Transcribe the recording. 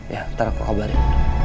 ya ntar aku kabarin